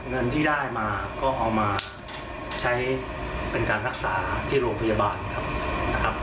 เงินที่ได้มาก็เอามาใช้เป็นการรักษาที่โรงพยาบาลครับนะครับ